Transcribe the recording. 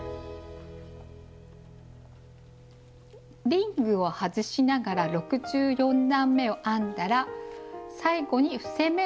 リングを外しながら６４段めを編んだら最後に伏せ目をして針を外します。